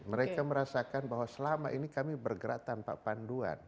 mereka merasakan bahwa selama ini kami bergerak tanpa panduan